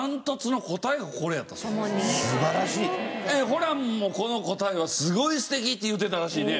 ホランもこの答えはすごい素敵って言うてたらしいね。